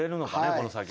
この先。